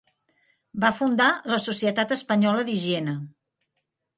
Va fundar la Societat Espanyola d'Higiene.